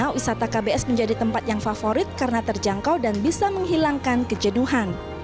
karena wisata kbs menjadi tempat yang favorit karena terjangkau dan bisa menghilangkan kejenuhan